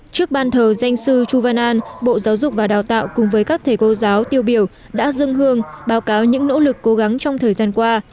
trước ban thờ danh sư chu văn an bộ giáo dục và đào tạo cùng với các thầy cô giáo tiêu biểu đã dân hương báo cáo những nỗ lực cố gắng trong thời gian qua